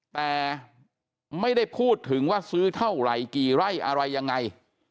แต่ไม่ได้พูดถึงว่าซื้อเท่าไหร่กี่ไร่อะไรยังไง